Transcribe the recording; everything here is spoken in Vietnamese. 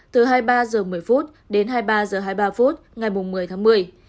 từ hai mươi ba h một mươi đến hai mươi ba h hai mươi ba phút ngày một mươi tháng một mươi